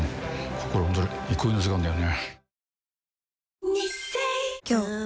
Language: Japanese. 心躍る憩いの時間だよね。